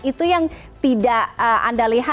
itu yang tidak anda lihat